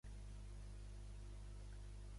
La capital provincial és Rasht.